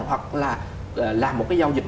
hoặc là làm một cái giao dịch